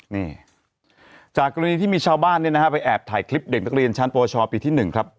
นี่จากกรณีที่มีชาวบ้านเนี่ยนะฮะไปแอบถ่ายคลิปเด็กนักเรียนชั้นปวชปีที่๑ครับ